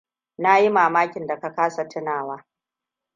Na yi mamakin da ka kasa tunawa.